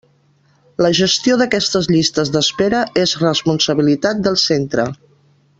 La gestió d'aquestes llistes d'espera és responsabilitat del centre.